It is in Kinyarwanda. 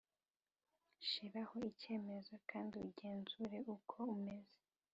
shiraho icyemezo kandi ugenzure uko umeze;